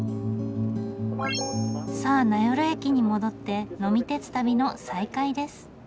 さあ名寄駅に戻って呑み鉄旅の再開です。